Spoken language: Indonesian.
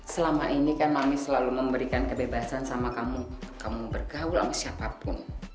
selama ini kan mami selalu memberikan kebebasan sama kamu bergaul sama siapapun